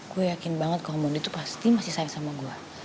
gue yakin banget komodi itu pasti masih sayang sama gue